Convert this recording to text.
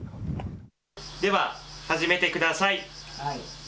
では始めてください。